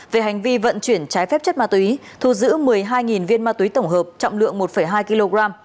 về hành vi vận chuyển trái phép chất ma túy thu giữ một mươi hai viên ma túy tổng hợp trọng lượng một hai kg